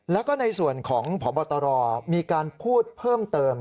แล้วก็ในส่วนของพบตรมีการพูดเพิ่มเติม